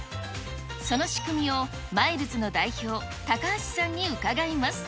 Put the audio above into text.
その仕組みをマイルズの代表、高橋さんに伺います。